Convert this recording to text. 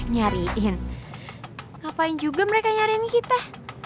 nyariin ngapain juga mereka nyari kita